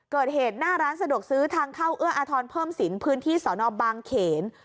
เกิดเหตุหน้าร้านสะดวกซื้อทางเข้าเอื้ออาทรเพิ่มสินพื้นที่สอนอบางเขน